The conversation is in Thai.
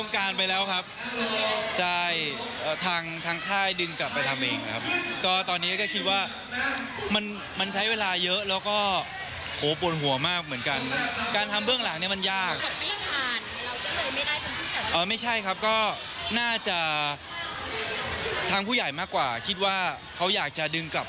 เขาอยากจะดึงกลับไปทำเองอะไรอย่างเงี้ยครับ